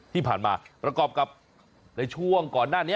ที่ผ่านมาระกอบกับในช่วงก่อนหน้านี้